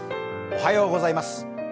おはようございます。